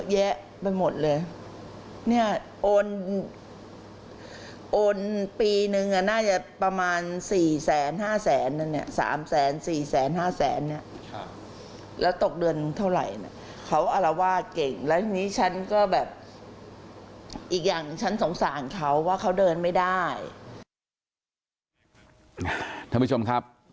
ท่านผู้ชมครับ